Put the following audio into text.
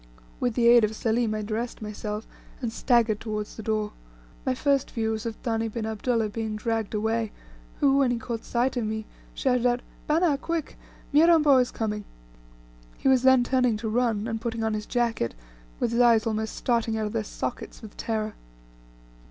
With the aid of Selim I dressed myself, and staggered towards the door. My first view was of Thani bin Abdullah being dragged away, who, when he caught sight of me, shouted out "Bana quick Mirambo is coming." He was then turning to run, and putting on his jacket, with his eyes almost starting out of their sockets with terror.